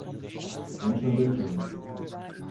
Wenn schon, denn schon!